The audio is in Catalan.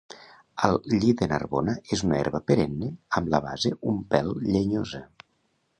El lli de Narbona és una herba perenne amb la base un pèl llenyosa